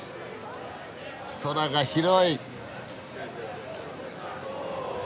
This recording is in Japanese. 空が広い！